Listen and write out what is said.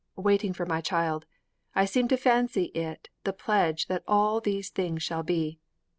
Waiting for my child. I seem to fancy it the pledge that all these things shall be.'